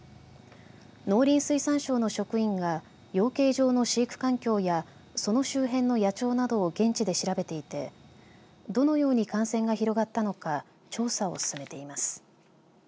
農林水産省の職員が養鶏場の飼育環境やその周辺の野鳥などを現地で調べていてどのように感染が広がったのか調査を進めています。